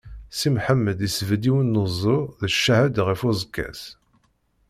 Si Mḥemmed isbedd yiwen n uẓru d ccahed ɣef uẓekka-s.